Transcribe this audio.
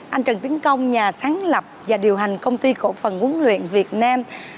anh trần tiến công nhà sáng lập và điều hành công ty cổ phần huấn luyện việt nam